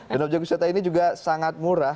dan objek wisata ini juga sangat murah